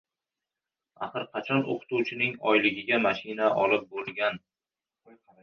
Axir qachon oʻqituvchining oyligiga mashina olib boʻlgan?